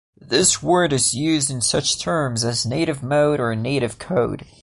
This word is used in such terms as native mode or native code.